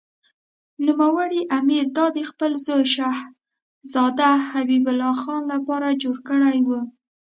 نوموړي امیر دا د خپل زوی شهزاده حبیب الله خان لپاره جوړه کړې وه.